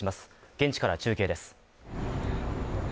現地から中継です。